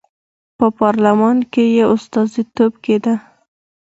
په پارلمان کې یې استازیتوب کېده.